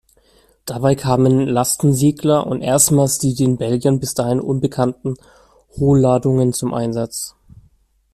Dabei kamen Lastensegler und erstmals die den Belgiern bis dahin unbekannten Hohlladungen zum Einsatz.